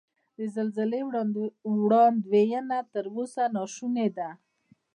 د زلزلې وړاندوینه تر اوسه نا شونې ده.